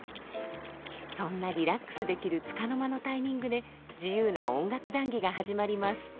そんなリラックスできるつかの間のタイミングで自由な音楽談義が始まります。